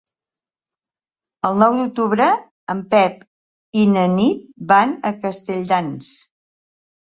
El nou d'octubre en Pep i na Nit van a Castelldans.